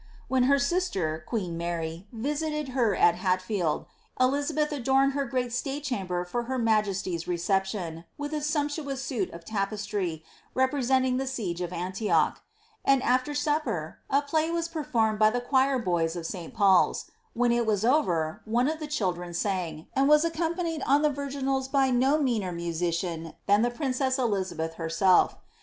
When her nster) queen Mary, visited her at Hatfield, Elizabeth adorned her great stale chamber for her majesty's reception, with a sumptuous suit of tapestry^ representing the siege of Antioch ; and after supper a [day was per formed by the choir boys of St. Paul's ; when it was over, one of the children sang, and was accompanied on the virginals by no jneaner musician than the princess Elizabeth herself.'